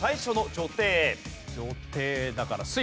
女帝だから。